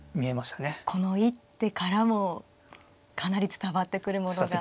この一手からもかなり伝わってくるものが。